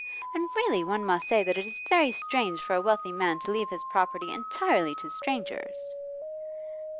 And really one must say that it is very strange for a wealthy man to leave his property entirely to strangers.